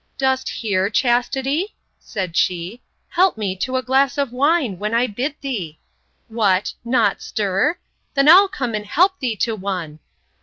Dost hear, chastity? said she, help me to a glass of wine, when I bid thee.—What! not stir? Then I'll come and help thee to one.